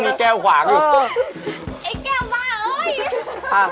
ไอ๊แก๋วบ่าเอ้ย